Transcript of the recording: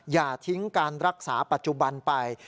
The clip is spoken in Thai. อย่าทิ้งการรักษาปัจจุบันไป